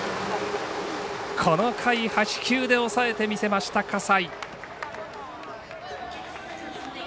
この回、８球で抑えてみせました、葛西。